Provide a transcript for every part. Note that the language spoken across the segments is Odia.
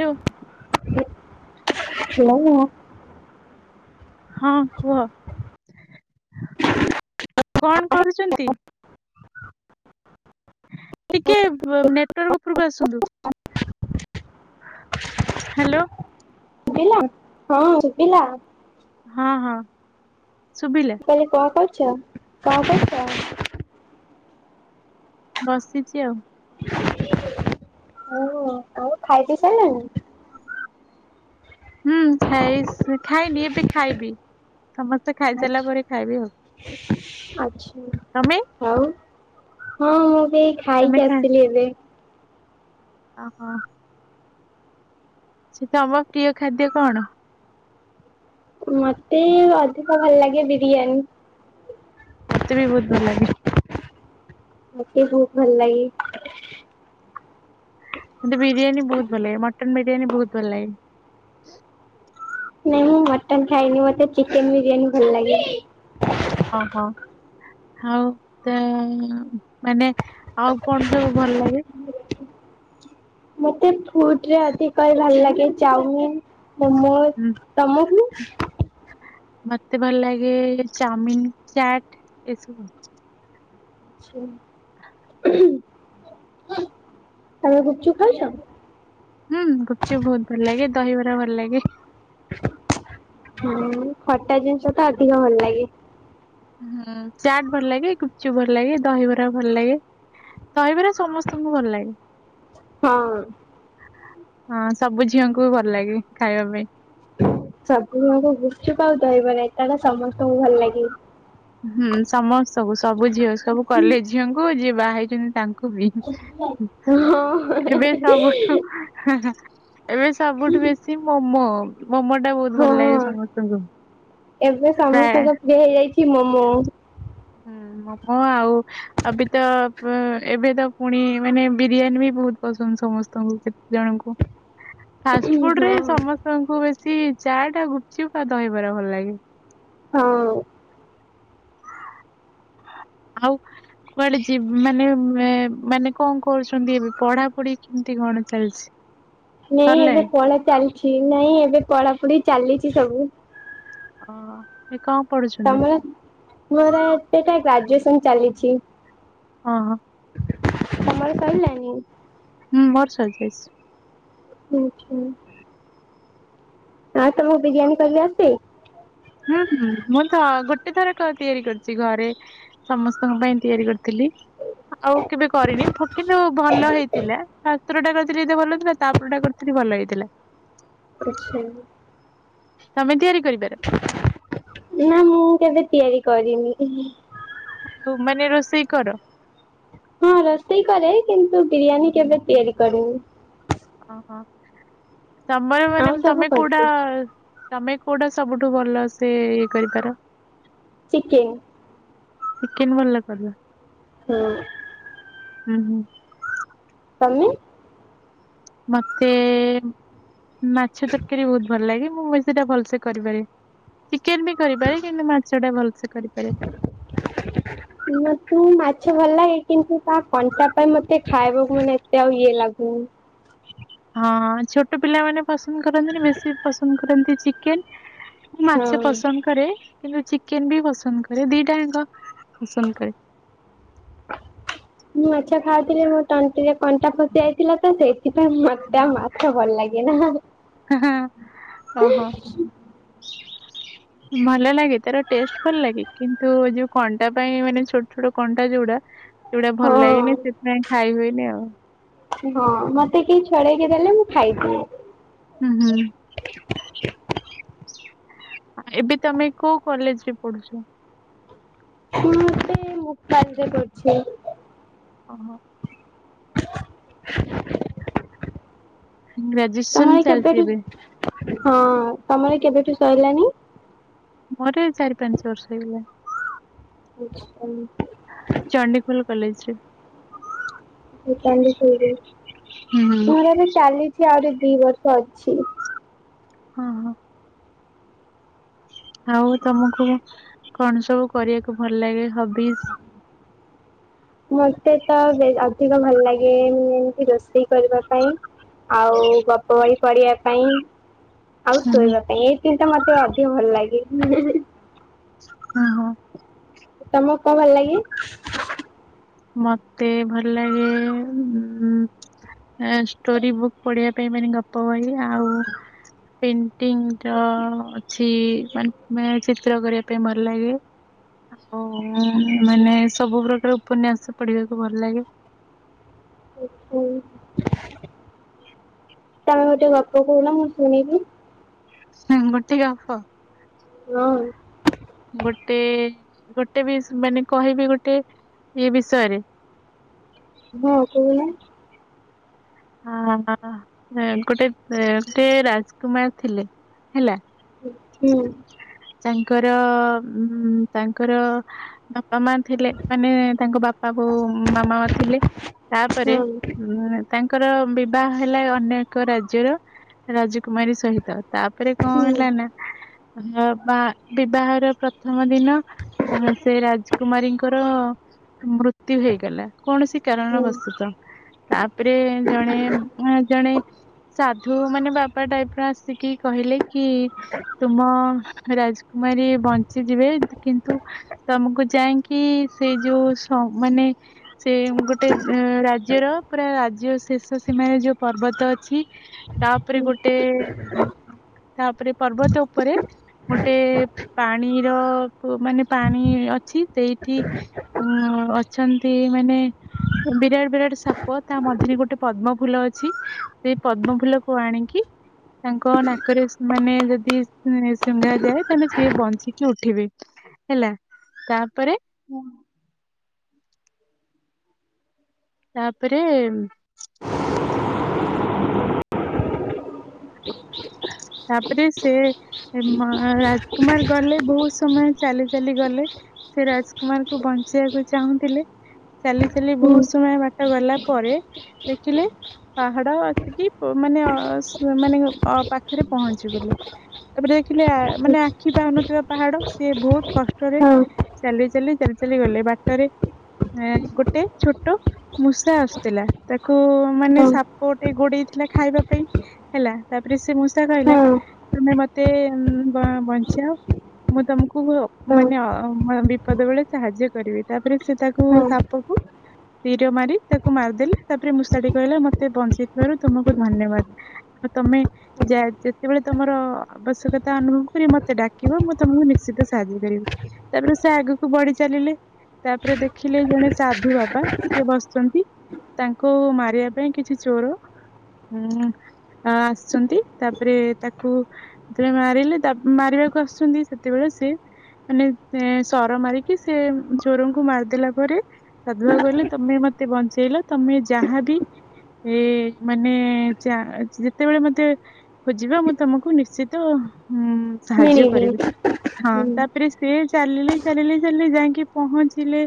ଲୋ [unintelligible] ହାଲୋ ହଁ କୁହ? କଣ କରୁଛନ୍ତି? ଟିକେ ବ ନେଟୱାର୍କ ଉପରକୁ ଆସନ୍ତୁ। ହାଲୋ ବିଲା ହଁ ଶୁଭିଲା। ହଁ, ହଁ ଶୁଭିଲା। କହିଲି କଣ କରୁଛ? କଣ କରୁଛ? ବସିଛି ଆଉ। [unintelligible] ହଉ ଆଉ, ଆଉ ଖାଇ ପି ସାରିଲେଣି? ହୁଁ, ଖାଇ ସି ଖାଇନି ଏବେ ଖାଇବି ସମସ୍ତେ ଖାଇସାରିଲା ଆଚ୍ଛା ପରେ ଖାଇବି ଆଉ। [unintelligible] ଆଚ୍ଛା। ତମେ ଆଉ ହଁ ମୁଁ ବି ଏଇ ତମେ ଖାଇକି ଖା ଆସିଲି ଏବେ। ଓହୋ। ସେ ତମ ପ୍ରିୟ ଖାଦ୍ୟ କଣ? ମତେ ଅଧିକ ଭଲ ଲାଗେ ବିରିୟାନୀ। ମତେ ବି ବହୁତ ଭଲ ଲାଗେ। ମତେ ବି ବହୁତ ଭଲ ଲାଗେ। ମତେ ବିରିୟାନୀ ବହୁତ ଭଲ ଲାଗେ, ମଟନ ବିରିୟାନୀ ବହୁତ ଭଲ ଲାଗେ। ନାଇଁ ମୁଁ ମଟନ ଖାଇନି ମତେ ଚିକେନ୍ ବିରିୟାନୀ ଭଲ ଲାଗେ। ଓହୋ। ଆଉ ତ ମାନେ ଆଉ କଣ ସବୁ ଭଲ ଲାଗେ? ମତେ ଫୁଡ୍ ରେ ଅଧିକ କରି ଭଲ ଲାଗେ ଚାଉମିନ୍। ତମ ହୁଁ ତମକୁ? ମତେ ଭଲ ଲାଗେ ଚାଉମିନ୍, ଚାଟ ଏସବୁ ଆଉ। ତମେ ଗୁପଚୁପ ଖାଉଛ? ହୁଁ ଗୁପଚୁପ୍ ବହୁତ ଭଲ ଲାଗେ, ଦହିବରା ଭଲ ଲାଗେ। ହୁଁ, ଖଟା ଜିନିଷ ତ ଅଧିକ ଭଲ ଲାଗେ। ହୁଁ ଚାଟ୍ ଭଲ ଲାଗେ, ଗୁପଚୁପ୍ ଭଲ ଲାଗେ, ଦହିବରା ଭଲ ଲାଗେ। ଦହିବରା ସମସ୍ତଙ୍କୁ ଭଲ ଲାଗେ। ହଁ। ହଁ, ସବୁ ଝିଅଙ୍କୁ ଭଲ ଲାଗେ ଖାଇବା ପାଇଁ। ସବୁ ଆଙ୍କୁ ଗୁପଚୁପ ଆଉ ଦହିବରା ଏଟା ତ ସମସ୍ତଙ୍କୁ ଭଲ ଲାଗେ। ହୁଁ ସମସ୍ତଙ୍କୁ ସବୁ ଝିଅ ସବୁ କଲେଜ ଝିଅଙ୍କୁ ଯିଏ ବାହା ହେଇଛନ୍ତି ତା କୋବି ଏବେ ସବୁଠୁ ହଁ। [unintelligible] ଏବେ ସବୁଠୁ ବେଶୀ ମୋମୋ ମୋମୋ ଟା ବହୁତ ଭଲ ହଁ ଲାଗେ ସମସ୍ତଙ୍କୁ ପ୍ରାୟେ। ଦେଇଯାଇଛି ମୋମୋ। ହୁଁ ମୋମୋ ଆଉ ଆବିତ ପ ଏବେ ତ ପୁଣି ମାନେ ବିରିୟାନୀ ବି ବହୁତ ପସନ୍ଦ ସମସ୍ତଙ୍କୁ କେତେ ଜଣଙ୍କୁ। ହ [inaudible] ଫାଷ୍ଟ ଫୁଡ୍ ରେ ସମସ୍ତଙ୍କୁ ବେଶୀ ଚାଟ୍, ଗୁପୁଚୁପ, ଆଉ ଦହିବାର ଭଲ ଲାଗେ। ହଁଉ ଆଉ କୁଆଡେ ଯି ମାନେ ମାନେ କଣ କରୁଛନ୍ତି ଏବେ ପଢା ପଢିଛନ୍ତି କଣ ଚାଲିଚି? ନାଇଁ ଏବେ ପଢ଼ା ଚାଲିଚି ନାଇଁ ଏବେ ପଢା ପୁଢି ଚାଲିଚି ସବୁ। ଅ [inaudible] କଣ ପଢୁଚୁ? ତମର ଏବେକା ଗ୍ରାଜୁଏସନ ଚାଲିଛି। ହଁ ହଁ ତମର ସଇଲାନି? ହୁଁ ମୋର ସରିଯାଚି। ଆଚ୍ଛା ହଁ ତମକୁ ବିରିୟାନୀ କଲି ଆସେ? ହୁଁ ହୁଁ ମୁଁ ତ ଗୋଟେ ଥର କ ତିଆରି କରୁଚି ଘରେ। ସମସ୍ତଙ୍କ ପାଇଁ ତିଆରି କରିଥିଲି। ଆଉ କେବେ କରିବି କିନ୍ତୁ ଭଲ ହେଇ ଥିଲା ଫାଷ୍ଟ ଥରଟା କରିଥିଲି ଏତେ ଭଲ ଥିଲା, ତାପରେ ଟା କରିଥିଲି ଭଲ ହେଇଥିଲା। ଆଚ୍ଛା ତମେ ତିଆରି କରିପାର? ନା ମୁଁ କେବେ ତିଆରି କରିନି। [unintelligible] ତୁ ମାନେ ରୋଷେଇ କର? ହଁ ରୋଷେଇ କରେ କିନ୍ତୁ ବିରିୟାନୀ କେବେ ତିଆରି କରେନି। ଓହୋ ତମର ଆଉ ମାନେ ସବୁ ତମେ କୋଉଟା କରିଛି ତମେ କୋଉଟା ସବୁଠୁ ଭଲ ସେ ଇଏ କରିପାର? ଚିକେନ୍ ଚିକେନ ଭଲ କରେ। ହୁଁ ହୁଁ ହୁଁ ତମେ? ମତେ ମାଛ ତରକାରୀ ବହୁତ ଭଲ ଲାଗେ ମୁଁ ସେଟା ଭଲସେ କରିପାରେ, ଚିକେନ ବି କରିପାରେ କିନ୍ତୁ ମାଛ ଟା ଭଲସେ କରେ। [inaudible] ମୋତେ ମାଛ ଭଲ ଲାଗେ କିନ୍ତୁ ତା କଣ୍ଟା ପାଇଁ ମତେ ଖାଇବାକୁ ମାନେ ଏତେ ଆଉ ଇଏ ଲାଗୁନି। ହଁ ଛୋଟ ପିଲାମାନେ ପସନ୍ଦ କରନ୍ତିନି ବେଶୀ ପସନ୍ଦ କରନ୍ତି ଚିକେନ। ମୁଁ ମାଛ ହଁ। ପସନ୍ଦ କରେ କିନ୍ତୁ ଚିକେନ ବି ପସନ୍ଦ କରେ ଦିଟାଙ୍କ ପସନ୍ଦ କରେ। ମୁଁ ମାଛ ଖାଉଥିଲି ମୋ ତଣ୍ଟିରେ କଣ୍ଟା ଫସି ଯାଇଥିଲା ତ ସେଇଥିପାଇଁ ମତେ ଆଉ ମାଛ ଭଲ ଲାଗେ ନା। [inaudible] ଓହୋ [unintelligible] ଭଲ ଲାଗେ ତାର ଟେଷ୍ଟ ଭଲ ଲାଗେ କିନ୍ତୁ ଯୋଉ କଣ୍ଟା ପାଇଁ ମାନେ ଛୋଟ ଛୋଟ କଣ୍ଟା ଯୋଉଡା ସେଗୁଡା ହଁ ଭଲ ଲାଗେନି ସେଥିପାଇଁ ଖାଇ ହୁଏନି ଆଉ। ହଁ ମତେ କେହି ଛଡେଇକି ଦେଲେ ମୁଁ ଖାଇଦିଏ। ହୁଁ ହୁଁ। ଏବେ ତମେ କୋଉ କଲେଜରେ ପଢୁଛ? ହୁଁ ସେ ମୁଖ କାର୍ଯ୍ୟ କରୁଛି। ଓହୋ। [unintelligible] ଗ୍ରାଜୁଏସ ତମର କେବେଠୁ ହଁ ତମର କେବେଠୁ ସରିଲାନି। ମୋର ଚାରି ପାଞ୍ଚ ବର୍ଷ ହେଇଗଲାନି। ଆଛା। ଚଣ୍ଡିଖୋଲ କଲେଜରେ। ମୋର ଆହୁରି ହୁଁ। ହୁଁ। ଚାଲିଛି ଆହୁରି ଦି ବର୍ଷ ଅଛି। ହଁ ହଁ। ଆଉ ତମକୁ କଣ ସବୁ କରିବାକୁ ଭଲ ଲାଗେ ହବିଜ? ମତେ ତ ଅଧିକ ଭଲ ଲାଗେ ଏମତି ରୋଷେଇ କରିବା ପାଇଁ। ଆଉ ଗପ ବହି ପଢ଼ିବା ପାଇଁ। ଆଉ ଶୋଇବା ପାଇଁ ଏଇ ତିନିଟା ମତେ ଅଧିକ ଭଲ ଲାଗେ ହିଁ ହିଁ। ଓହୋ। ତମକୁ କଣ ଭଲ ଲାଗେ? ମତେ ଭଲ ଲାଗେ ହୁଁ ଷ୍ଟୋରି ବୁକ୍ ପଢିବା ପାଇଁ ମାନେ ଗପ ବହି ଆଉ ପେଣ୍ଟିଙ୍ଗର ଅଛି ମାନେ ଚିତ୍ର କରିବା ପାଇଁ ଭଲ ଲାଗେ। ଆଉ ମାନେ ସବୁ ପ୍ରକାର ଉପନ୍ୟାସ ପଢିବାକୁ ଭଲ ଲାଗେ। ଓହୋ। ତ ଗୋଟେ ଗପ କହୁନ ମୁଁ ଶୁଣିବି। ଗୋଟେ ଗପ। ହଁ। ଗୋଟେ ଗୋଟେ ବି ମାନେ କହିବି ଗୋଟେ ଇଏ ବିଷୟରେ। ହଁ କହୁନ। ହ ଗୋଟେ ରାଜକୁମାର ଥିଲେ ହେଲା। ହୁଁ। ତାଙ୍କର ତାଙ୍କର ବାପା ମା ଥିଲେ ମାନେ ତାଙ୍କ ବାପା ବୋଉ ମାମା ଥିଲେ ତାପରେ ହଁ ତାଙ୍କର ବିବାହ ହେଲା ଅନେକ ରାଜ୍ୟର ରାଜକୁମାରୀ ସହିତ। ତାପରେ କଣ ହୁଁ ହେଲା ନା ବା ବିବାହର ପ୍ରଥମ ଦିନ ହ ସେ ରାଜକୁମାରୀଙ୍କର ମୃତ୍ୟୁ ହେଇଗଲା କୌଣସି କାରଣ ହୁଁ ବସତ ତାପରେ ଜଣେ ଜଣେ ସାଧୁ ମାନେ ବାବା ଟାଇପର ଆସିକି କହିଲେ କି ତୁମ ରାଜକୁମାରୀ ବଞ୍ଚିଯିବେ କିନ୍ତୁ ତମକୁ ଯାଇକି ସେ ଯୋଉ ମାନେ ସେ ଗୋଟେ ରାଜ୍ୟର ପୁରା ରାଜ୍ୟ ଶେଷ ସୀମାରେ ଯୋଉ ପର୍ବତ ଅଛି। ତାପରେ ଗୋଟେ ତାପରେ ପର୍ବତ ଉପରେ ଗୋଟେ ପାଣିର ମାନେ ପାଣି ଅଛି ସେଇଠି ହ ଅଛନ୍ତି ମାନେ ବିରାଟ୍ ବିରାଟ୍ ସା ପ ତା ମଝିରେ ଗୋଟେ ପଦ୍ମ ଫୁଲ ଅଛି ସେଇ ପଦ୍ମ ଫୁଲକୁ ଆଣିକି ତାଙ୍କ ନାକେରେ ସେମାନେ ଯଦି ଶୁଙ୍ଘା ଯାଏ ତାହେନେ ସିଏ ବଞ୍ଚିକି ଉଠିବେ। ହେଲା ତାପରେ ତାପରେ [unintelligible] ତାପରେ ସେ ଏମା ରାଜ୍କୁମାର୍ ଗଲେ ବହୁତ୍ ସମୟ ଚାଲି ଚାଲି ଗଲେ। ସେ ରାଜ୍କୁମାର୍ କୁ ବଞ୍ଚେଇବାକୁ ଚାହୁଁଥିଲେ ଚାଲି ଚାଲି ହୁଁ ବହୁତ୍ ସମୟ ବା ଟ ଗଲା ପରେ ଦେଖିଲେ ପାହାଡ ଅଛିକି ପ ମାନେ ଅସ୍ ମାନେ ଅ ପାଖେରେ ପହଞ୍ଚିଗଲେ ତାପରେ ଦେଖିଲେ ହଁ ମାନେ ଆଖି ପାଉନଥିବା ପାହାଡ ସିଏ ବହୁ କଷ୍ଟରେ ଚାଲି ଚାଲି ଚାଲି ଚାଲି ଗଲେ ବାଟରେ ଏଁ ଗୋଟେ ଛୋଟ ମୂଷା ଆସ୍ଥିଲା ତାକୁ ମାନେ ହଁ। ସାପ ଟେ ଗୋଡେଇଥିଲା ଖାଇବା ପାଇଁ ହେଲା ତାପରେ ସେ ମୂଷା କହିଲା ହଁ ତୁମେ ମତେ ବବଞ୍ଚାଅ ମୁଁ ତମକୁ ହଁ ମାନେ ଅ ବିପଦ ବେଳେ ସାହାଯ୍ୟ କରିବି ତାପରେ ସେ ତାକୁ ହଁ ସାପକୁ ତୀର ମାରି ତାକୁ ମାର୍ଦେଲେ ତାପରେ ମୂଷା ଟି କହିଲା ମତେ ବଞ୍ଚେଇଥିବାରୁ ତୁମକୁ ଧନ୍ୟବାଦ୍। ଆଉ ତମେ ଯା ଯେତେବେଳେ ତମର ଆବଶ୍ୟକତା ଅନୁଭବ କରିବ ମତେ ଡାକିବ ମୁଁ ତମକୁ ନିଶ୍ଚିତ ସାହାଯ୍ୟ କରିବି। ତାପରେ ସେ ଆଗକୁ ବଢି ଚାଲିଲେ ତାପରେ ଦେଖିଲେ ଜଣେ ସାଧୁ ବାବା ସିଏ ବସ୍ଚନ୍ତି। ତାଙ୍କୁ ମାରିବା ପାଇଁ କିଛି ଚୋର ଉଁ ଆ ସନ୍ତି ତାପରେ ତାକୁ ସେଥିପାଇଁ ମାରିଲେ ତା ମାରିବାକୁ ଆସ୍ଚନ୍ତି ସେତିବେଳେ ସେ ମାନେ ସର ମାରିକି ସେ ଚୋରଙ୍କୁ ମାର୍ଦେଲା ପରେ ସାଧୁ ବାବା କହିଲେ ତମେ ମ ତେ ବଞ୍ଚେଇଲ ତମେ ଯାହାବି ଏ ମାନେ ଯା ଯେତେବେଳେ ମ ତେ ଖୋଜିବ ମୁଁ ତମକୁ ନିଶ୍ଚିତ ଉଁ ସାହାଯ୍ୟ ମିଳିବି କରିବି ହଁ ହୁଁ ତାପରେ ସେ ଚାଲିଲେ ଚାଲିଲେ ଚାଲିଲେ ଯାଇକି ପହଞ୍ଚିଲେ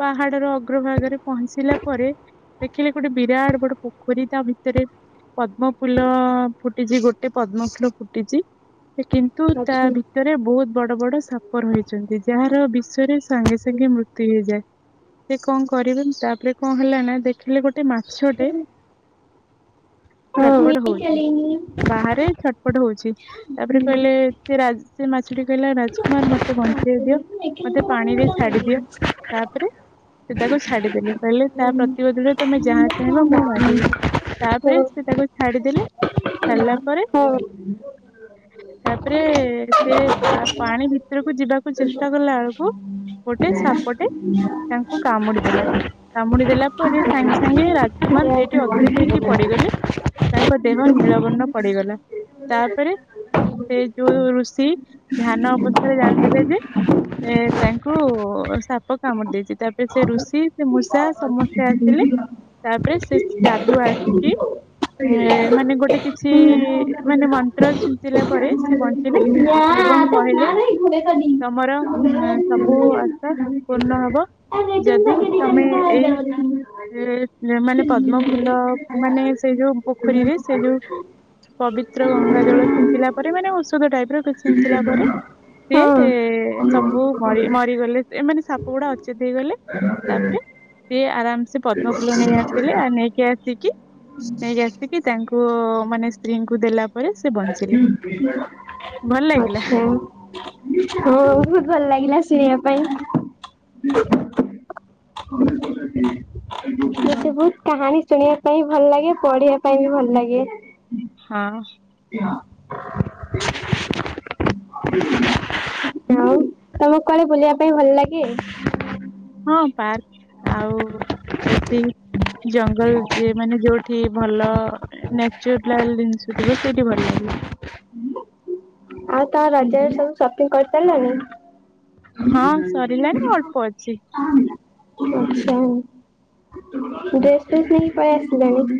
ପାହାଡର ଅଗ୍ରଭାଗରେ ପହଞ୍ଚିଲା ପରେ ଦେଖିଲେ ଗୋଟେ ବିରାଟ୍ ବଡ ପୋଖରୀ ତା ଭିତରେ ପଦ୍ମଫୁଲ ଫୁଟିଛି ଗୋଟେ ପଦ୍ମଫୁଲ ଫୁଟିଛି ସେ କିନ୍ତୁ ତା ଭି ଅଛି। ତରେ ବହୁତ୍ ବଡ ବଡ ସାପ ରହିଛନ୍ତି ଯାହାର ବିଶରେ ସାଙ୍ଗେ ସାଙ୍ଗେ ମୃତ୍ୟୁ ହେଇଯାଏ। ସେ ଙ୍କ କରିବେ ତାପରେ କଣ ହେଲା ନା ଦେଖିଲେ ଗୋଟେ ମାଛଟେ ଛଟ୍ ପଟ୍ ହଉଚି। ବାହାରେ ଛଟ୍ ପଟ୍ ହଉଛି ତାପରେ କହିଲେ ସେ ରାଜ୍ ସେ ମାଛ କହିଲା ରାଜ୍କୁମାର୍ ମ ମତେ ବଞ୍ଚେଇ ଦିଅ ମତେ ପାଣିରେ ଛାଡି ଦିଅ ତାପରେ ସେ ତାକୁ ଛାଡିଦେଲେ କହିଲେ ତା ପ୍ରତିବଦଳରେ ତମେ ଯାହା ଚାହ୍ନିବ ମୁଁ ମାଗିବି ତାପେରେ ସେ ତାକୁ ଛାଡିଦେଲେ ଛାଡିଲା ପରେ [unintelligible] ତାପରେ ସେ ପା ପାଣି ଭିତ୍ରୁକୁ ଯିବାକୁ ଚେଷ୍ଟା କଲା ବେଳାକୁ ଗୋଟେ ସାପଟେ ତାଙ୍କୁ କାମୁଡିଦେଲା। କାମୁଡି ଦେଲା ପରେ ସାଙ୍ଗେ ସାଙ୍ଗେ ରାଜ୍ କୁମାର୍ ସେଇଠି ଅଚେତ୍ ହେଇକି ପଡିଗଲେ ତାଙ୍କ ଦେହ ନୀଳବର୍ଣ୍ଣ ପଡିଗଲା ତାପରେ ସେ ଯୋଉ ଋଷି ଧ୍ୟାନ ଅବସ୍ଥାରେ ଜାଣିଦେଲେ ଯେ ସେ ତାଙ୍କୁ ସାପ କାମୁଡି ଦେଇଛି ତାପରେ ସେ ଋଷି ସେ ମୂଷା ସମସ ଆସିଲେ ତାପରେ ସେ ଯାଦୁ ଆସିକି ମାନେ ଗୋଟେ କିଛି ମାନେ ମନ୍ତ୍ର ଛିଞ୍ଚିଲା ପରେ ସେ ବଞ୍ଚିଲେ। ଏବଂ କହିଲେ [unintelligible] ତମର ଉଁ ସବୁ ଆଶା ପୂର୍ଣ ହବ। ଯଦି ତମେ ଏଇ ସେ ମାନେ ପଦ୍ମ ଫୁଲ ମାନେ ସେଇ ଯୋଉ ପୋଖରୀରେ ସେ ଯୋଉ ପବିତ୍ର ଗଙ୍ଗା ଜଳ ଛିଞ୍ଚିଲା ପରେ ମାନେ ଔଷଧ ଟାଇପର ଛିଞ୍ଚିଲା ପରେ ସେ ସବୁ ମରିଗଲେ ଏ ମାନେ ସାପ ଗୁଡା ଅଚେତ ହେଇଗଲେ। ତାପରେ ସିଏ ଆରାମସେ ପଦ୍ମଫୁଲ ନେଇ ଆସିଲେ ଆ ନେଇକି ଆସିକି ନେଇକି ଆସିକି ତାଙ୍କୁ ମାନେ ସ୍ତ୍ରୀଙ୍କୁ ଦେଲା ପରେ ସେ ବଞ୍ଚିଲେ ଭଲ ଲାଗିଲା। ଆଚ୍ଛା ହଁ ବହୁତ ଭଲ ଲାଗିଲା ଶୁଣିବା ପାଇଁ। ହୁଁ [inaudible] ହଁ ମତେ ବହୁତ କାହାଣୀ ଶୁଣିବା ପାଇଁ ଭଲ ଲାଗେ ପଢିବା ପାଇଁ ବି ଭଲ ଲାଗେ। ହଁ। [unintelligible] ଆଉ ତମକୁ କୁଆଡେ ବୁଲିବା ପାଇଁ ଭଲ ଲାଗେ। ହଁ ପାର୍କ ଆଉ ବେଶୀ ଜଙ୍ଗଲ ଯିଏ ମାନେ ଯୋଉ ଠି ଭଲ ନ୍ୟାଚୁଲାଲ ଜିନିଷ ଥିବ ସେଇଠି ଭଲ ଲାଗେ। ଆଉ ତ ରଜରେ ସବୁ ସପିଂ କରି ସାରିଲଣି। ହଁ ସରିଲାଣି ଅଳ୍ପ ଅଛି। [unintelligible] ଡ୍ରେସ୍ ପ୍ରେସ୍ ନେଇକି ପାଲେଇ ଆସିଲଣି।